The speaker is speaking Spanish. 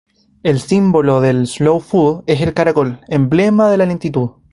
El símbolo del slow food es el caracol, emblema de la lentitud.